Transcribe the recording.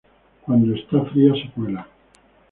Cuando esta fría se cuela.